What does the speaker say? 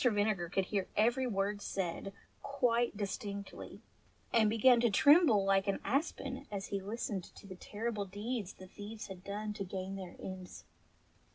Vinegar could hear every word said quite dis tinctly, and began to tremble like an aspen as he listened to the terrible deeds the thieves had done to gain their ends.